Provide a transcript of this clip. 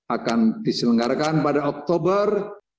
akan diselenggarakan pada oktober